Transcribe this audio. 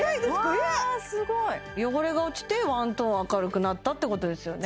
うわすごい汚れが落ちてワントーン明るくなったってことですよね